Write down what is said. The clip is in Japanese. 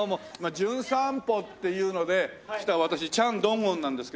『じゅん散歩』っていうので来た私チャン・ドンゴンなんですけども。